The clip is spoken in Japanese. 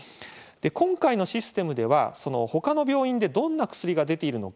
今回のシステムでは、他の病院でどんな薬が出ているのか